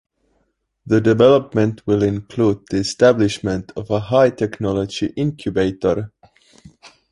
The development will include the establishment of a high-technology incubator.